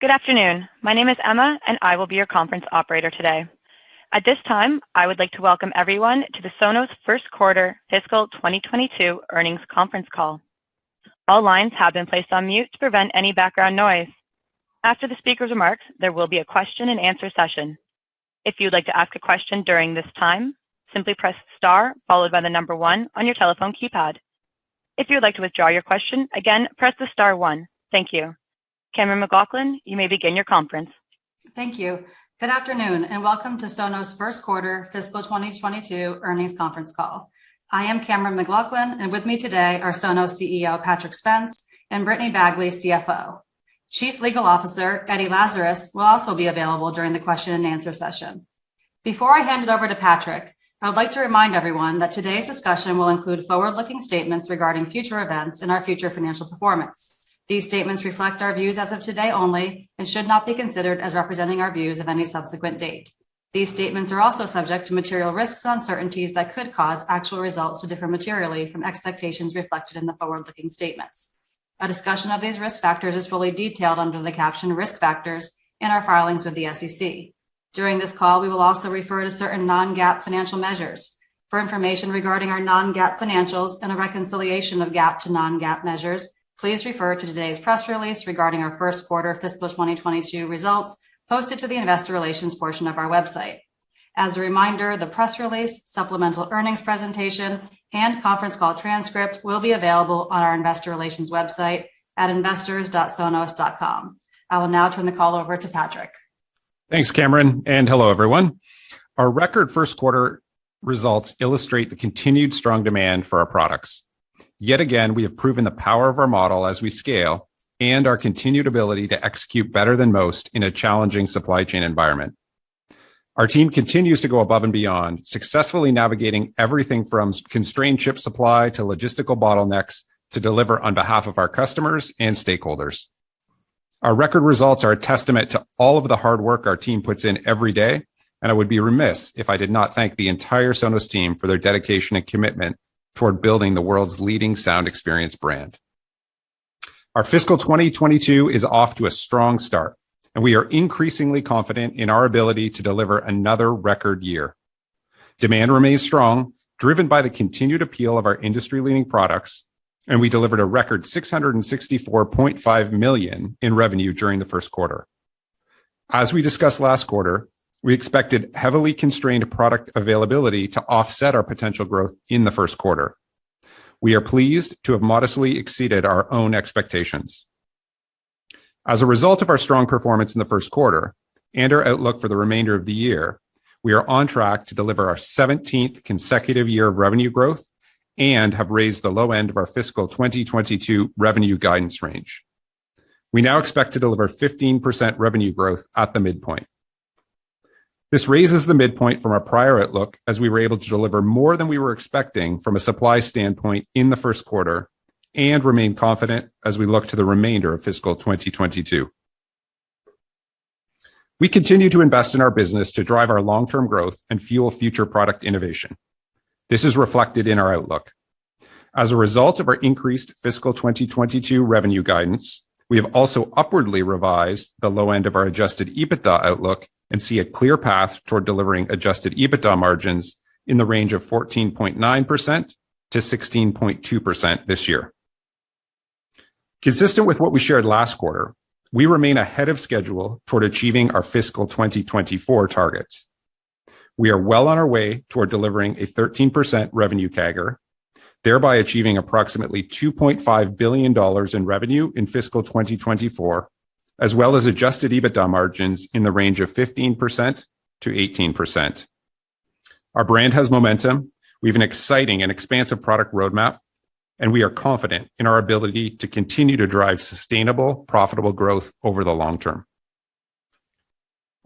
Good afternoon. My name is Emma, and I will be your conference operator today. At this time, I would like to welcome everyone to the Sonos first quarter fiscal 2022 earnings conference call. All lines have been placed on mute to prevent any background noise. After the speaker's remarks, there will be a question and answer session. If you'd like to ask a question during this time, simply press star followed by the number one on your telephone keypad. If you would like to withdraw your question, again, press the star one. Thank you. Cameron McLaughlin, you may begin your conference. Thank you. Good afternoon, and welcome to Sonos first quarter fiscal 2022 earnings conference call. I am Cameron McLaughlin, and with me today are Sonos CEO, Patrick Spence, and Brittany Bagley, CFO. Chief Legal Officer, Eddie Lazarus, will also be available during the question and answer session. Before I hand it over to Patrick, I would like to remind everyone that today's discussion will include forward-looking statements regarding future events and our future financial performance. These statements reflect our views as of today only and should not be considered as representing our views of any subsequent date. These statements are also subject to material risks and uncertainties that could cause actual results to differ materially from expectations reflected in the forward-looking statements. A discussion of these risk factors is fully detailed under the caption Risk Factors in our filings with the SEC. During this call, we will also refer to certain non-GAAP financial measures. For information regarding our non-GAAP financials and a reconciliation of GAAP to non-GAAP measures, please refer to today's press release regarding our first quarter fiscal 2022 results posted to the investor relations portion of our website. As a reminder, the press release, supplemental earnings presentation, and conference call transcript will be available on our investor relations website at investors.sonos.com. I will now turn the call over to Patrick. Thanks, Cammeron, and hello, everyone. Our record first quarter results illustrate the continued strong demand for our products. Yet again, we have proven the power of our model as we scale and our continued ability to execute better than most in a challenging supply chain environment. Our team continues to go above and beyond, successfully navigating everything from supply-constrained chip supply to logistical bottlenecks to deliver on behalf of our customers and stakeholders. Our record results are a testament to all of the hard work our team puts in every day, and I would be remiss if I did not thank the entire Sonos team for their dedication and commitment toward building the world's leading sound experience brand. Our fiscal 2022 is off to a strong start, and we are increasingly confident in our ability to deliver another record year. Demand remains strong, driven by the continued appeal of our industry-leading products, and we delivered a record $664.5 million in revenue during the first quarter. As we discussed last quarter, we expected heavily constrained product availability to offset our potential growth in the first quarter. We are pleased to have modestly exceeded our own expectations. As a result of our strong performance in the first quarter and our outlook for the remainder of the year, we are on track to deliver our 17th consecutive year of revenue growth and have raised the low end of our fiscal 2022 revenue guidance range. We now expect to deliver 15% revenue growth at the midpoint. This raises the midpoint from our prior outlook as we were able to deliver more than we were expecting from a supply standpoint in the first quarter and remain confident as we look to the remainder of fiscal 2022. We continue to invest in our business to drive our long-term growth and fuel future product innovation. This is reflected in our outlook. As a result of our increased fiscal 2022 revenue guidance, we have also upwardly revised the low end of our Adjusted EBITDA outlook and see a clear path toward delivering Adjusted EBITDA margins in the range of 14.9%-16.2% this year. Consistent with what we shared last quarter, we remain ahead of schedule toward achieving our fiscal 2024 targets. We are well on our way toward delivering a 13% revenue CAGR, thereby achieving approximately $2.5 billion in revenue in fiscal 2024, as well as adjusted EBITDA margins in the range of 15%-18%. Our brand has momentum. We have an exciting and expansive product roadmap, and we are confident in our ability to continue to drive sustainable, profitable growth over the long term.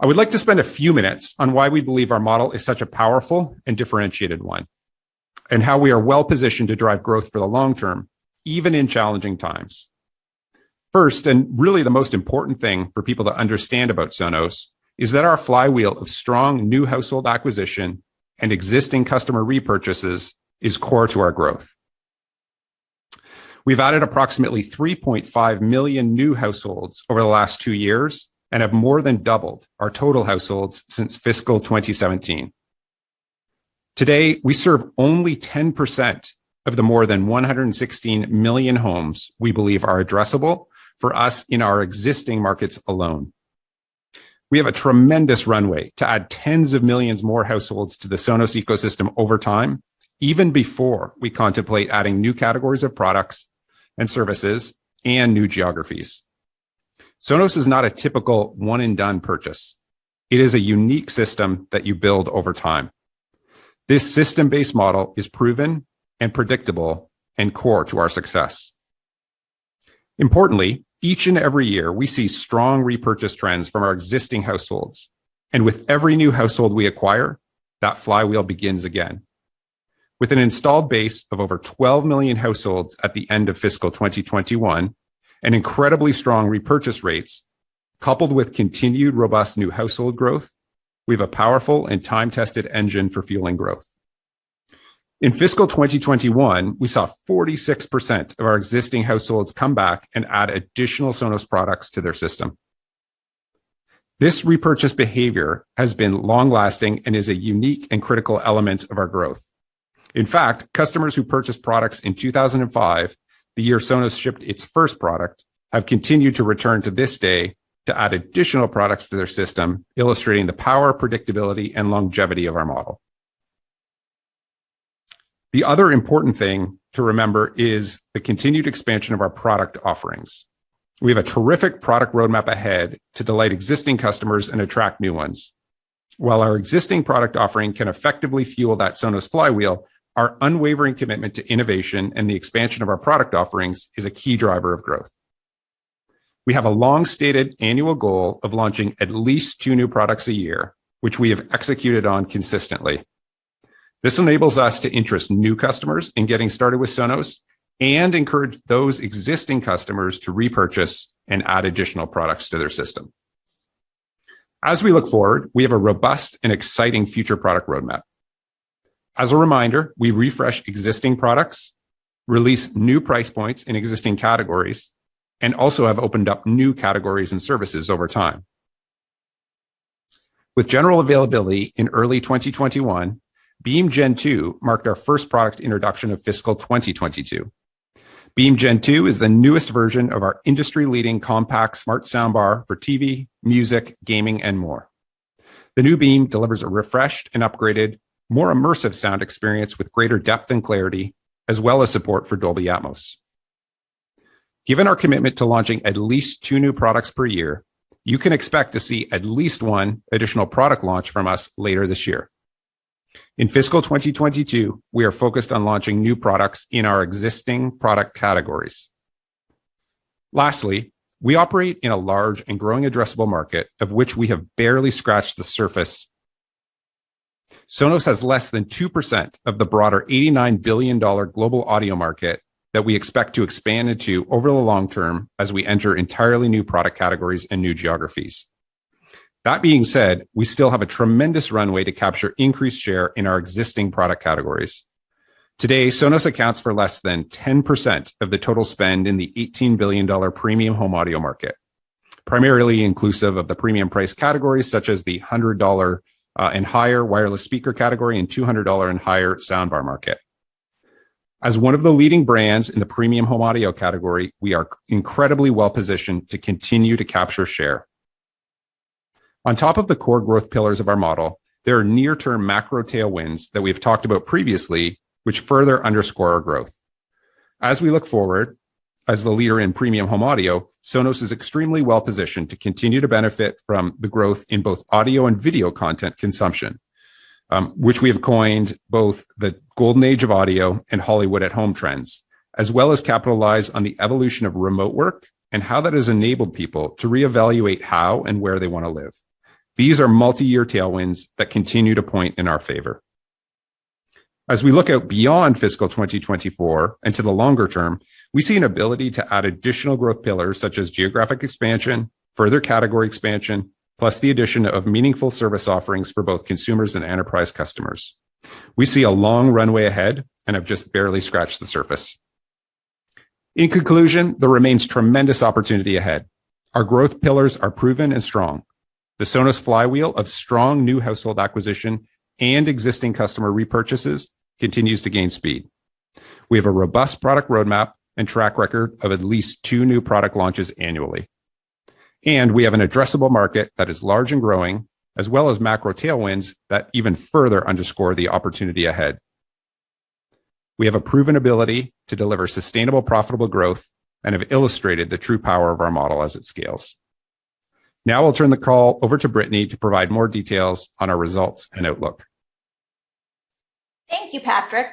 I would like to spend a few minutes on why we believe our model is such a powerful and differentiated one, and how we are well-positioned to drive growth for the long term, even in challenging times. First, really the most important thing for people to understand about Sonos is that our flywheel of strong new household acquisition and existing customer repurchases is core to our growth. We've added approximately 3.5 million new households over the last 2 years and have more than doubled our total households since fiscal 2017. Today, we serve only 10% of the more than 116 million homes we believe are addressable for us in our existing markets alone. We have a tremendous runway to add tens of millions more households to the Sonos ecosystem over time, even before we contemplate adding new categories of products and services and new geographies. Sonos is not a typical one and done purchase. It is a unique system that you build over time. This system-based model is proven and predictable and core to our success. Importantly, each and every year, we see strong repurchase trends from our existing households, and with every new household we acquire, that flywheel begins again. With an installed base of over 12 million households at the end of fiscal 2021 and incredibly strong repurchase rates coupled with continued robust new household growth, we have a powerful and time-tested engine for fueling growth. In fiscal 2021, we saw 46% of our existing households come back and add additional Sonos products to their system. This repurchase behavior has been long-lasting and is a unique and critical element of our growth. In fact, customers who purchased products in 2005, the year Sonos shipped its first product, have continued to return to this day to add additional products to their system, illustrating the power, predictability, and longevity of our model. The other important thing to remember is the continued expansion of our product offerings. We have a terrific product roadmap ahead to delight existing customers and attract new ones. While our existing product offering can effectively fuel that Sonos flywheel, our unwavering commitment to innovation and the expansion of our product offerings is a key driver of growth. We have a long-stated annual goal of launching at least 2 new products a year, which we have executed on consistently. This enables us to interest new customers in getting started with Sonos and encourage those existing customers to repurchase and add additional products to their system. As we look forward, we have a robust and exciting future product roadmap. As a reminder, we refresh existing products, release new price points in existing categories, and also have opened up new categories and services over time. With general availability in early 2021, Beam Gen 2 marked our first product introduction of fiscal 2022. Beam Gen 2 is the newest version of our industry-leading compact smart soundbar for TV, music, gaming, and more. The new Beam delivers a refreshed and upgraded, more immersive sound experience with greater depth and clarity, as well as support for Dolby Atmos. Given our commitment to launching at least two new products per year, you can expect to see at least one additional product launch from us later this year. In fiscal 2022, we are focused on launching new products in our existing product categories. Lastly, we operate in a large and growing addressable market, of which we have barely scratched the surface. Sonos has less than 2% of the broader $89 billion global audio market that we expect to expand into over the long term as we enter entirely new product categories and new geographies. That being said, we still have a tremendous runway to capture increased share in our existing product categories. Today, Sonos accounts for less than 10% of the total spend in the $18 billion premium home audio market, primarily inclusive of the premium price categories such as the $100 and higher wireless speaker category and $200 and higher soundbar market. As one of the leading brands in the premium home audio category, we are incredibly well-positioned to continue to capture share. On top of the core growth pillars of our model, there are near-term macro tailwinds that we've talked about previously, which further underscore our growth. As we look forward, as the leader in premium home audio, Sonos is extremely well-positioned to continue to benefit from the growth in both audio and video content consumption, which we have coined both the golden age of audio and Hollywood at home trends, as well as capitalize on the evolution of remote work and how that has enabled people to reevaluate how and where they wanna live. These are multi-year tailwinds that continue to point in our favor. As we look out beyond fiscal 2024 and to the longer term, we see an ability to add additional growth pillars such as geographic expansion, further category expansion, plus the addition of meaningful service offerings for both consumers and enterprise customers. We see a long runway ahead and have just barely scratched the surface. In conclusion, there remains tremendous opportunity ahead. Our growth pillars are proven and strong. The Sonos flywheel of strong new household acquisition and existing customer repurchases continues to gain speed. We have a robust product roadmap and track record of at least two new product launches annually. We have an addressable market that is large and growing, as well as macro tailwinds that even further underscore the opportunity ahead. We have a proven ability to deliver sustainable, profitable growth and have illustrated the true power of our model as it scales. Now I'll turn the call over to Brittany to provide more details on our results and outlook. Thank you, Patrick.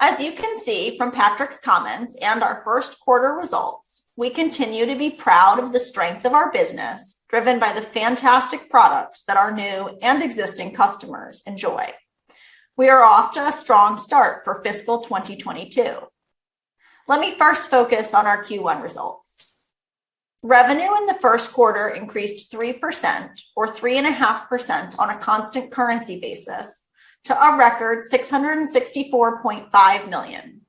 As you can see from Patrick's comments and our first quarter results, we continue to be proud of the strength of our business, driven by the fantastic products that our new and existing customers enjoy. We are off to a strong start for fiscal 2022. Let me first focus on our Q1 results. Revenue in the first quarter increased 3% or 3.5% on a constant currency basis to a record $664.5 million.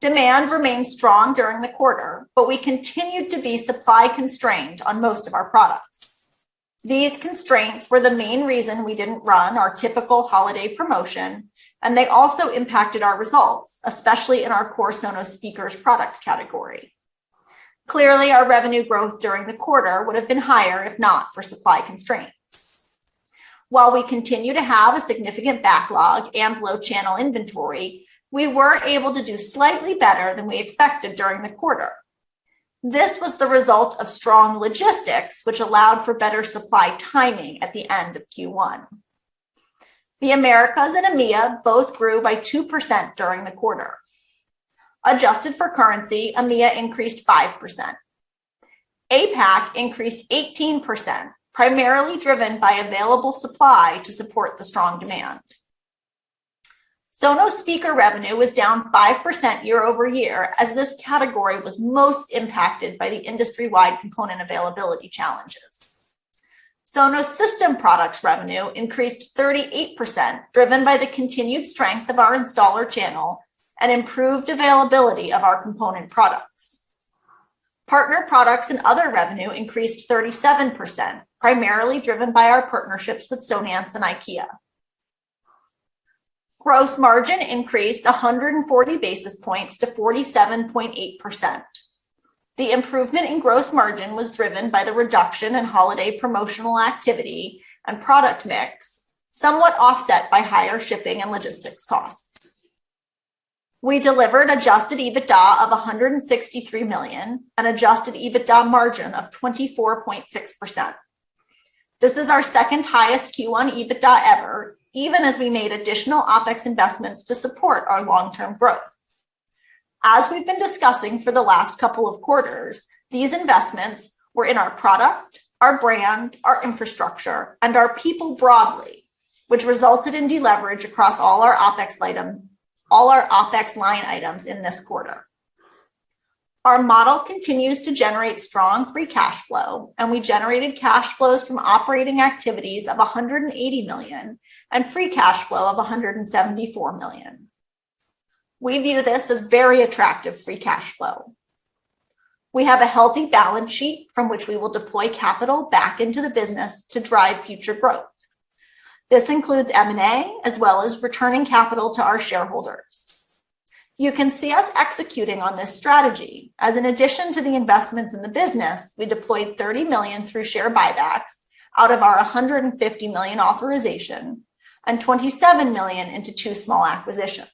Demand remained strong during the quarter, but we continued to be supply constrained on most of our products. These constraints were the main reason we didn't run our typical holiday promotion, and they also impacted our results, especially in our core Sonos speakers product category. Clearly, our revenue growth during the quarter would have been higher if not for supply constraints. While we continue to have a significant backlog and low channel inventory, we were able to do slightly better than we expected during the quarter. This was the result of strong logistics, which allowed for better supply timing at the end of Q1. The Americas and EMEA both grew by 2% during the quarter. Adjusted for currency, EMEA increased 5%. APAC increased 18%, primarily driven by available supply to support the strong demand. Sonos speaker revenue was down 5% year-over-year as this category was most impacted by the industry-wide component availability challenges. Sonos system products revenue increased 38%, driven by the continued strength of our installer channel and improved availability of our component products. Partner products and other revenue increased 37%, primarily driven by our partnerships with Sonance and IKEA. Gross margin increased 140 basis points to 47.8%. The improvement in gross margin was driven by the reduction in holiday promotional activity and product mix, somewhat offset by higher shipping and logistics costs. We delivered Adjusted EBITDA of $163 million and Adjusted EBITDA margin of 24.6%. This is our second highest Q1 EBITDA ever, even as we made additional OpEx investments to support our long-term growth. As we've been discussing for the last couple of quarters, these investments were in our product, our brand, our infrastructure, and our people broadly, which resulted in deleverage across all our OpEx line items in this quarter. Our model continues to generate strong free cash flow, and we generated cash flows from operating activities of $180 million and free cash flow of $174 million. We view this as very attractive free cash flow. We have a healthy balance sheet from which we will deploy capital back into the business to drive future growth. This includes M&A, as well as returning capital to our shareholders. You can see us executing on this strategy, as in addition to the investments in the business, we deployed $30 million through share buybacks out of our $150 million authorization and $27 million into two small acquisitions.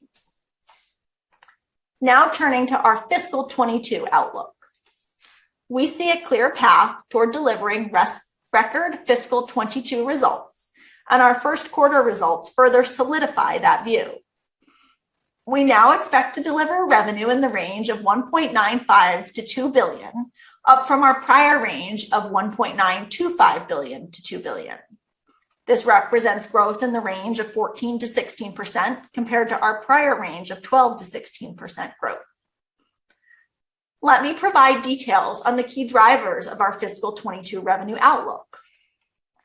Now turning to our fiscal 2022 outlook. We see a clear path toward delivering record fiscal 2022 results, and our first quarter results further solidify that view. We now expect to deliver revenue in the range of $1.95 billion-$2 billion, up from our prior range of $1.925 billion-$2 billion. This represents growth in the range of 14%-16% compared to our prior range of 12%-16% growth. Let me provide details on the key drivers of our fiscal 2022 revenue outlook.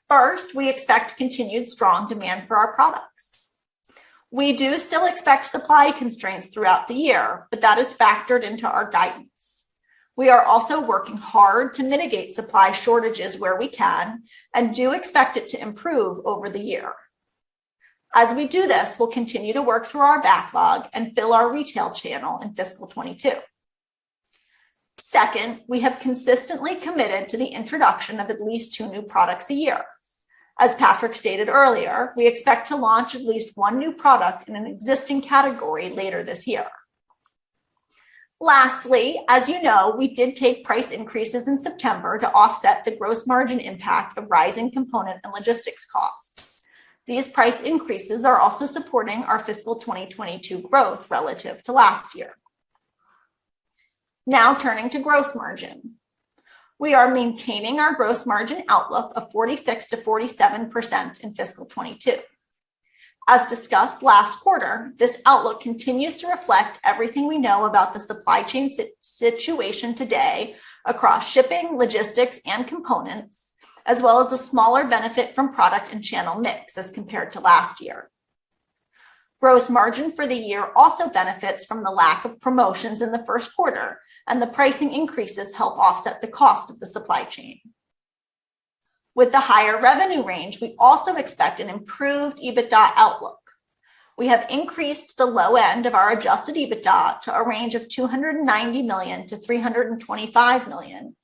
First, we expect continued strong demand for our products. We do still expect supply constraints throughout the year, but that is factored into our guidance. We are also working hard to mitigate supply shortages where we can and do expect it to improve over the year. As we do this, we'll continue to work through our backlog and fill our retail channel in fiscal 2022. Second, we have consistently committed to the introduction of at least two new products a year. As Patrick stated earlier, we expect to launch at least one new product in an existing category later this year. Lastly, as you know, we did take price increases in September to offset the gross margin impact of rising component and logistics costs. These price increases are also supporting our fiscal 2022 growth relative to last year. Now turning to gross margin. We are maintaining our gross margin outlook of 46%-47% in fiscal 2022. As discussed last quarter, this outlook continues to reflect everything we know about the supply chain situation today across shipping, logistics, and components, as well as the smaller benefit from product and channel mix as compared to last year. Gross margin for the year also benefits from the lack of promotions in the first quarter, and the pricing increases help offset the cost of the supply chain. With the higher revenue range, we also expect an improved EBITDA outlook. We have increased the low end of our Adjusted EBITDA to a range of $290 million-$325 million,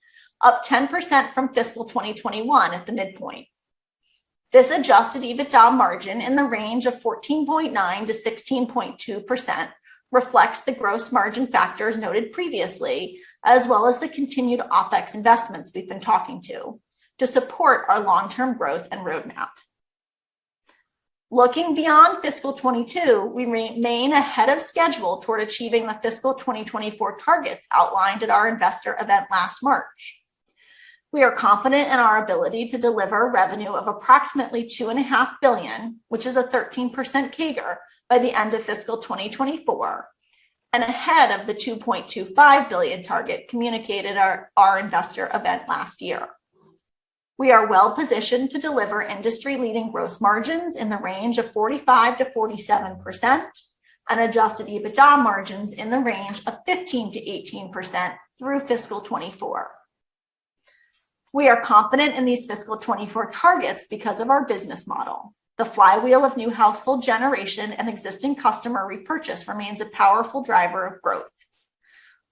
up 10% from fiscal 2021 at the midpoint. This Adjusted EBITDA margin in the range of 14.9%-16.2% reflects the gross margin factors noted previously, as well as the continued OpEx investments we've been talking about, to support our long-term growth and roadmap. Looking beyond fiscal 2022, we remain ahead of schedule toward achieving the fiscal 2024 targets outlined at our investor event last March. We are confident in our ability to deliver revenue of approximately $2.5 billion, which is a 13% CAGR by the end of fiscal 2024 and ahead of the $2.25 billion target communicated at our investor event last year. We are well-positioned to deliver industry-leading gross margins in the range of 45%-47% and adjusted EBITDA margins in the range of 15%-18% through fiscal 2024. We are confident in these fiscal 2024 targets because of our business model. The flywheel of new household generation and existing customer repurchase remains a powerful driver of growth.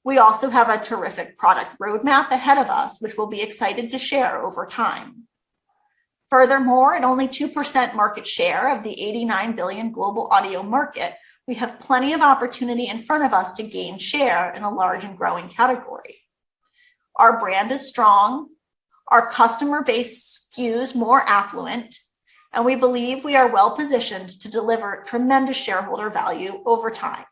We also have a terrific product roadmap ahead of us, which we'll be excited to share over time. Furthermore, at only 2% market share of the $89 billion global audio market, we have plenty of opportunity in front of us to gain share in a large and growing category. Our brand is strong, our customer base skews more affluent, and we believe we are well-positioned to deliver tremendous shareholder value over time.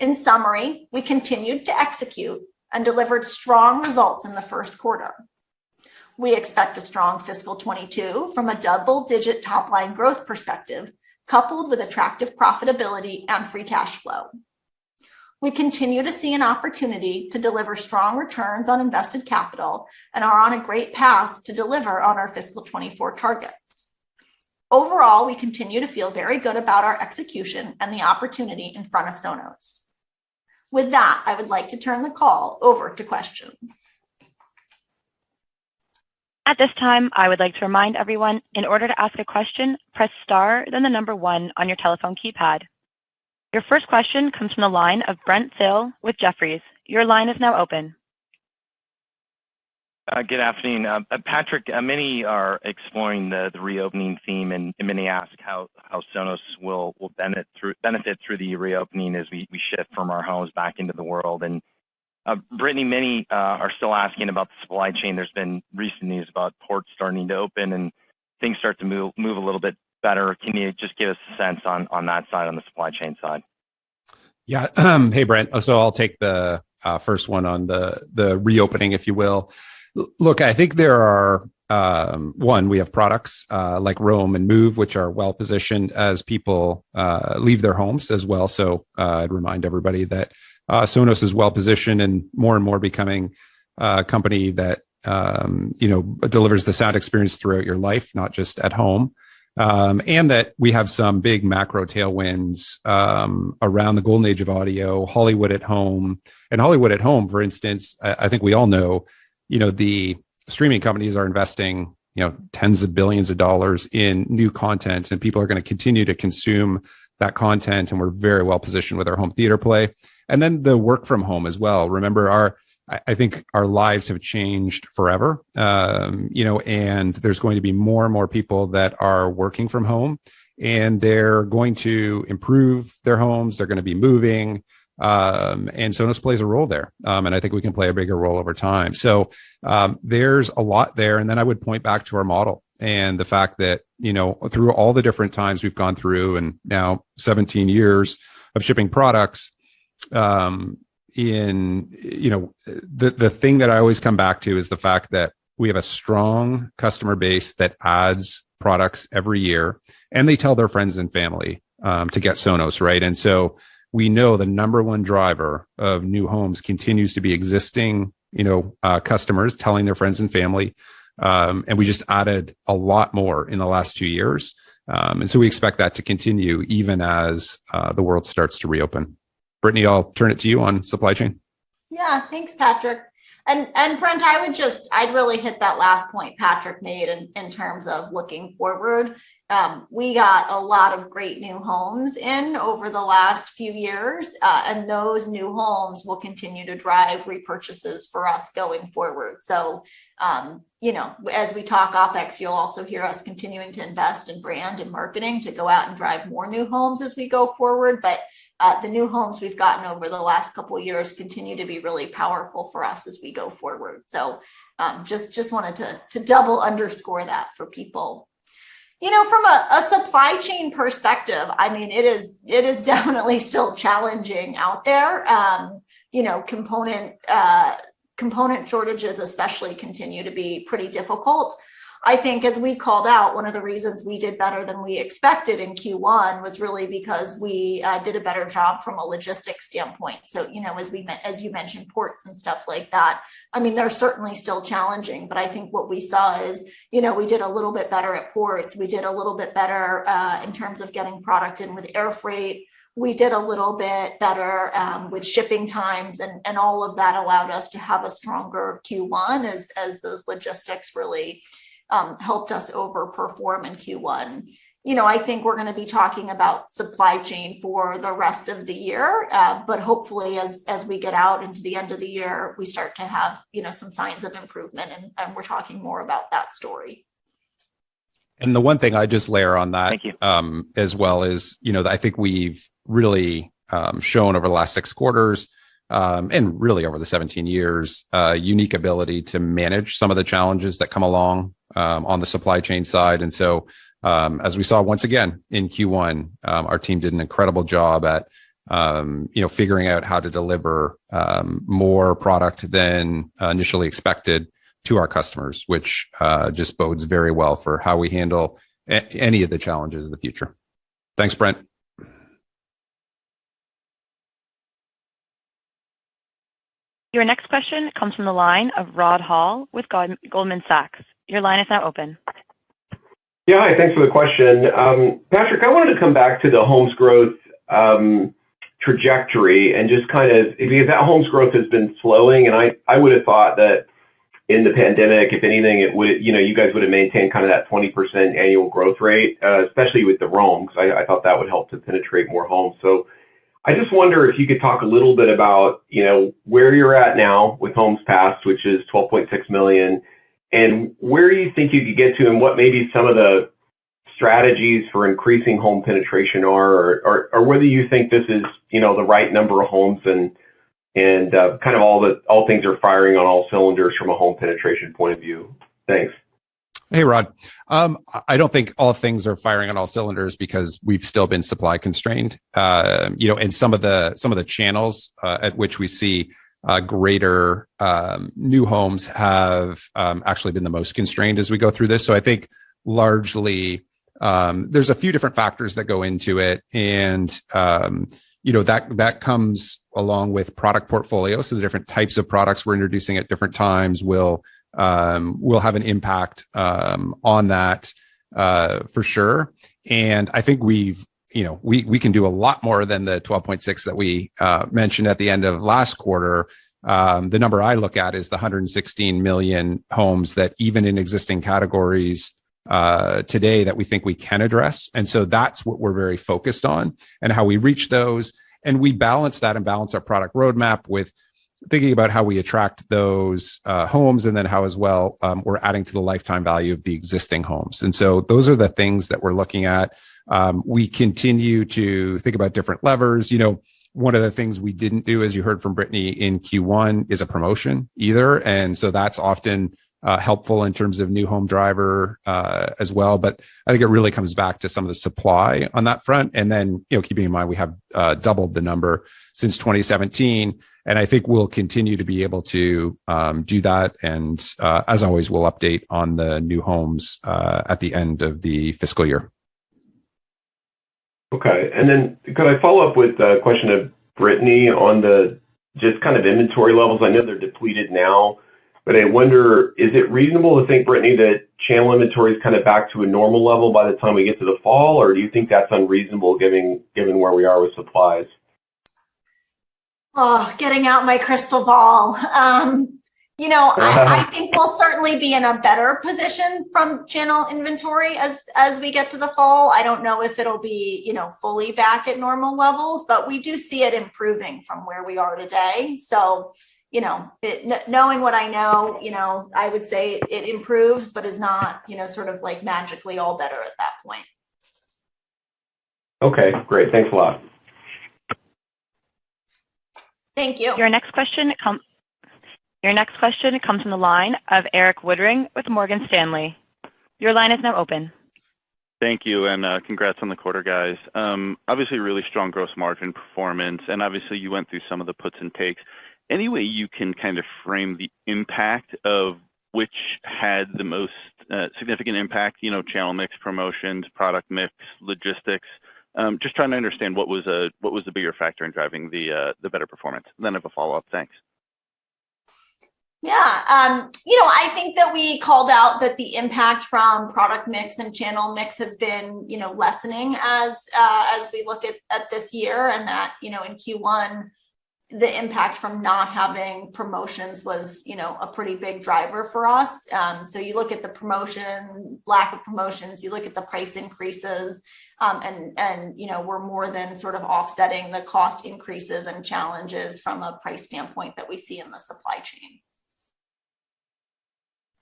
In summary, we continued to execute and delivered strong results in the first quarter. We expect a strong fiscal 2022 from a double-digit top-line growth perspective, coupled with attractive profitability and free cash flow. We continue to see an opportunity to deliver strong returns on invested capital and are on a great path to deliver on our fiscal 2024 targets. Overall, we continue to feel very good about our execution and the opportunity in front of Sonos. With that, I would like to turn the call over to questions. At this time, I would like to remind everyone, in order to ask a question, press star then the number one on your telephone keypad. Your first question comes from the line of Brent Thill with Jefferies. Your line is now open. Good afternoon. Patrick, many are exploring the reopening theme, and many ask how Sonos will benefit through the reopening as we shift from our homes back into the world. Brittany, many are still asking about the supply chain. There's been recent news about ports starting to open, and things start to move a little bit better. Can you just give us a sense on that side, on the supply chain side? Yeah. Hey Brent. I'll take the first one on the reopening, if you will. Look, I think there are. One, we have products like Roam and Move, which are well-positioned as people leave their homes as well. I'd remind everybody that Sonos is well-positioned and more and more becoming a company that delivers the sound experience throughout your life, not just at home, and that we have some big macro tailwinds around the golden age of audio, Hollywood at home. Hollywood at home, for instance, I think we all know you know the streaming companies are investing you know tens of billions of dollars in new content, and people are gonna continue to consume that content, and we're very well positioned with our home theater play. The work from home as well. Remember our lives have changed forever and there's going to be more and more people that are working from home, and they're going to improve their homes, they're gonna be moving, and Sonos plays a role there. We can play a bigger role over time. There's a lot there, and then I would point back to our model and the fact that through all the different times we've gone through, and now 17 years of shipping products. The thing that I always come back to is the fact that we have a strong customer base that adds products every year, and they tell their friends and family to get Sonos, right? We know the number one driver of new homes continues to be existing customers telling their friends and family. We just added a lot more in the last two years. We expect that to continue even as the world starts to reopen. Brittany, I'll turn it to you on supply chain. Yeah. Thanks, Patrick. And Brent, I'd really hit that last point Patrick made in terms of looking forward. We got a lot of great new homes in over the last few years, and those new homes will continue to drive repurchases for us going forward. As we talk OpEx, you'll also hear us continuing to invest in brand and marketing to go out and drive more new homes as we go forward. The new homes we've gotten over the last couple of years continue to be really powerful for us as we go forward. Just wanted to double underscore that for people. You know, from a supply chain perspective it is definitely still challenging out there. Component shortages especially continue to be pretty difficult. I think as we called out, one of the reasons we did better than we expected in Q1 was really because we did a better job from a logistics standpoint. As you mentioned, ports and stuff like that, they're certainly still challenging, but I think what we saw is we did a little bit better at ports. We did a little bit better in terms of getting product in with air freight. We did a little bit better with shipping times, and all of that allowed us to have a stronger Q1 as those logistics really helped us overperform in Q1. We're gonna be talking about supply chain for the rest of the year, but hopefully as we get out into the end of the year, we start to have, you know, some signs of improvement and we're talking more about that story. The one thing I'd just layer on that. Thank you. As well is I think we've really shown over the last six quarters, and really over the 17 years, a unique ability to manage some of the challenges that come along, on the supply chain side. As we saw once again in Q1, our team did an incredible job at figuring out how to deliver, more product than initially expected to our customers, which just bodes very well for how we handle any of the challenges of the future. Thanks, Brent. Your next question comes from the line of Rod Hall with Goldman Sachs. Your line is now open. Yeah. Hi, thanks for the question. Patrick, I wanted to come back to the homes growth trajectory and just kind of because that homes growth has been slowing, and I would have thought that in the pandemic, if anything you guys would have maintained kind of that 20% annual growth rate, especially with the Roam, 'cause I thought that would help to penetrate more homes. I just wonder if you could talk a little bit about where you're at now with homes passed, which is 12.6 million, and where you think you could get to and what may be some of the strategies for increasing home penetration are, or whether you think this is the right number of homes and kind of all things are firing on all cylinders from a home penetration point of view. Thanks. Hey, Rod. I don't think all things are firing on all cylinders because we've still been supply constrained. You know, and some of the channels at which we see greater new homes have actually been the most constrained as we go through this. I think largely, there's a few different factors that go into it, and that comes along with product portfolio. The different types of products we're introducing at different times will have an impact on that for sure. I think we've we can do a lot more than the 12.6 that we mentioned at the end of last quarter. The number I look at is the 116 million homes that even in existing categories today that we think we can address. That's what we're very focused on and how we reach those, and we balance that and our product roadmap with thinking about how we attract those homes and then how as well we're adding to the lifetime value of the existing homes. Those are the things that we're looking at. We continue to think about different levers. One of the things we didn't do, as you heard from Brittany in Q1, is a promotion either. That's often helpful in terms of new home driver as well. I think it really comes back to some of the supply on that front. Then keeping in mind we have doubled the number since 2017, and I think we'll continue to be able to do that. As always, we'll update on the new homes at the end of the fiscal year. Okay. Could I follow up with a question of Brittany on the just kind of inventory levels? They're depleted now, but I wonder, is it reasonable to think, Brittany, that channel inventory is kind of back to a normal level by the time we get to the fall? Or do you think that's unreasonable given where we are with supplies? Oh, getting out my crystal ball. We'll certainly be in a better position from channel inventory as we get to the fall. I don't know if it'll be fully back at normal levels, but we do see it improving from where we are today. Knowing what I know I would say it improves but is not sort of like magically all better at that point. Okay, great. Thanks a lot. Thank you. Your next question comes from the line of Erik Woodring with Morgan Stanley. Your line is now open. Thank you. Congrats on the quarter, guys. Obviously really strong gross margin performance, and obviously you went through some of the puts and takes. Any way you can kind of frame the impact of which had the most significant impact channel mix, promotions, product mix, logistics? Just trying to understand what was the bigger factor in driving the better performance. I have a follow-up. Thanks. Yeah. That we called out that the impact from product mix and channel mix has been lessening as we look at this year, and that in Q1, the impact from not having promotions was a pretty big driver for us. You look at the lack of promotions, you look at the price increases, and we're more than sort of offsetting the cost increases and challenges from a price standpoint that we see in the supply chain.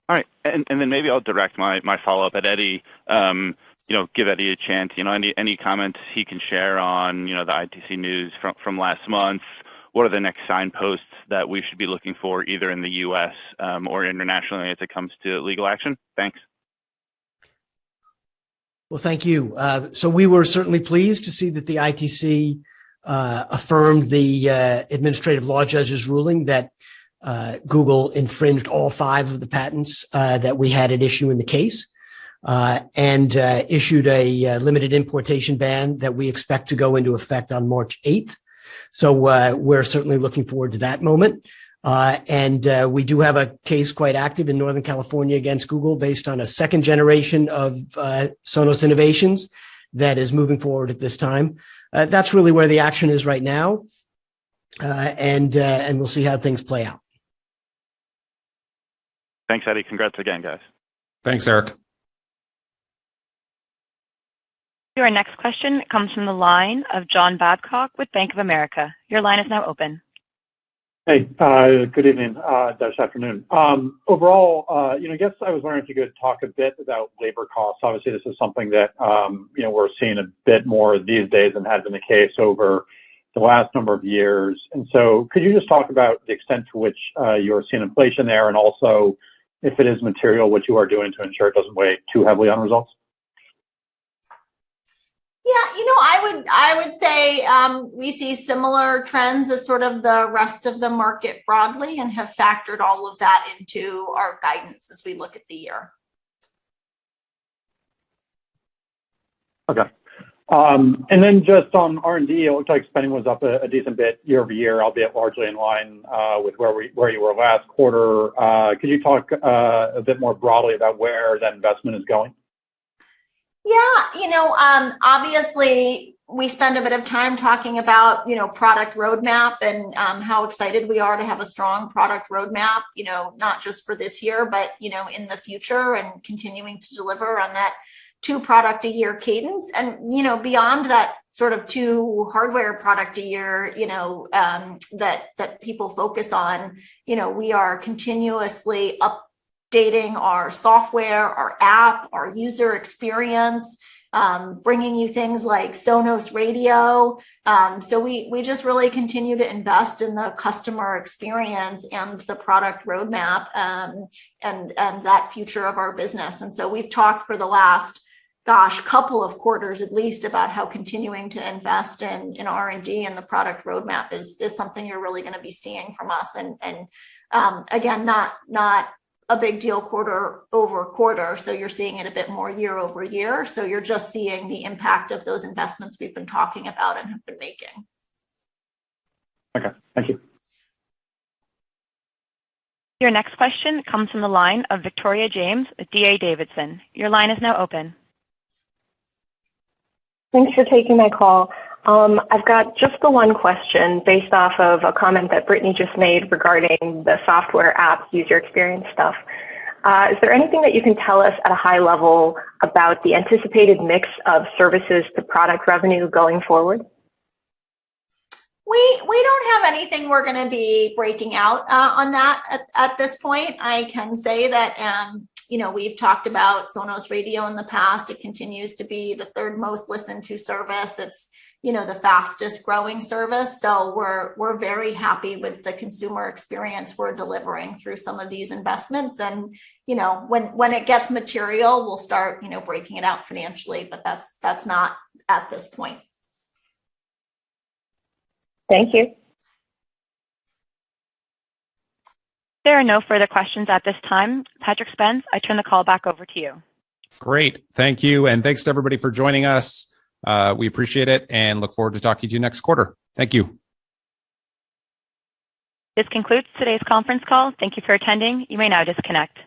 All right. Maybe I'll direct my follow-up at Eddie give Eddie a chance. Any comments he can share on the ITC news from last month. What are the next signposts that we should be looking for either in the U.S. or internationally as it comes to legal action? Thanks. Well, thank you. We were certainly pleased to see that the ITC affirmed the administrative law judge's ruling that Google infringed all five of the patents that we had at issue in the case, and issued a limited importation ban that we expect to go into effect on March 8. We're certainly looking forward to that moment. We do have a case quite active in Northern California against Google based on a second generation of Sonos innovations that is moving forward at this time. That's really where the action is right now, and we'll see how things play out. Thanks, Eddie. Congrats again, guys. Thanks, Erik. Your next question comes from the line of John Babcock with Bank of America. Your line is now open. Hey, good evening, this afternoon. Overall, I was wondering if you could talk a bit about labor costs. Obviously, this is something that we're seeing a bit more these days than has been the case over the last number of years. Could you just talk about the extent to which you're seeing inflation there, and also if it is material, what you are doing to ensure it doesn't weigh too heavily on results? Yeah. I would say we see similar trends as sort of the rest of the market broadly and have factored all of that into our guidance as we look at the year. Just on R&D, it looks like spending was up a decent bit year-over-year, albeit largely in line with where you were last quarter. Could you talk a bit more broadly about where that investment is going? Yeah. Obviously we spend a bit of time talking about product roadmap and, how excited we are to have a strong product roadmap not just for this year, but in the future and continuing to deliver on that two product a year cadence. Beyond that sort of two hardware product a year that people focus on we are continuously updating our software, our app, our user experience, bringing you things like Sonos Radio. We just really continue to invest in the customer experience and the product roadmap, and that future of our business. We've talked for the last, gosh, couple of quarters at least about how continuing to invest in R&D and the product roadmap is something you're really gonna be seeing from us. Again, not a big deal quarter-over-quarter. You're seeing it a bit more year-over-year. You're just seeing the impact of those investments we've been talking about and have been making. Okay. Thank you. Your next question comes from the line of Victoria James at D.A. Davidson. Your line is now open. Thanks for taking my call. I've got just the one question based off of a comment that Brittany just made regarding the software app user experience stuff. Is there anything that you can tell us at a high level about the anticipated mix of services to product revenue going forward? We don't have anything we're gonna be breaking out on that at this point. I can say that we've talked about Sonos Radio in the past. It continues to be the third most listened to service. It's the fastest growing service. We're very happy with the consumer experience we're delivering through some of these investments and when it gets material, we'll start breaking it out financially, but that's not at this point. Thank you. There are no further questions at this time. Patrick Spence, I turn the call back over to you. Great. Thank you. Thanks to everybody for joining us. We appreciate it and look forward to talking to you next quarter. Thank you. This concludes today's conference call. Thank you for attending. You may now disconnect.